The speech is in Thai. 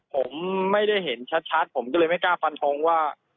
ผมไม่ได้เห็นชัดผมก็เลยไม่กล้าฟันทงว่า